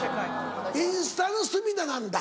インスタの隅田なんだ。